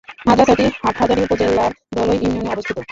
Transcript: মাদ্রাসাটি হাটহাজারী উপজেলার ধলই ইউনিয়নে অবস্থিত।